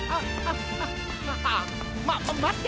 ままって。